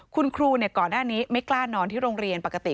คุณครูก่อนหน้านี้ไม่กล้านอนที่โรงเรียนปกติ